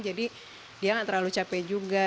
jadi dia gak terlalu cape juga